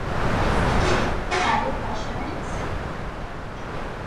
Are You Passionate?